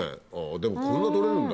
でもこんな取れるんだ。